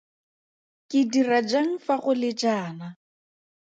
Ke dira jang fa go le jaana?